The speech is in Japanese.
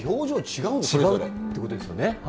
違うということですよね。